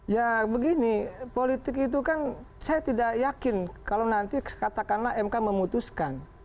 ya begini politik itu kan saya tidak yakin kalau nanti katakanlah mk memutuskan